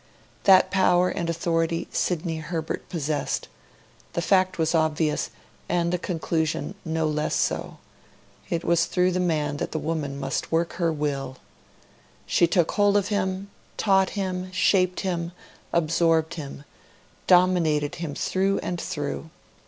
That power and authority Sidney Herbert possessed; that fact was obvious, and the conclusions no less so: it was through the man that the woman must work her will. She took hold of him, taught him, shaped him, absorbed him, dominated him through and through.